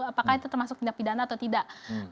apakah itu termasuk tindak pidana atau tidak